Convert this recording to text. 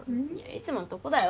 いつものとこだよ。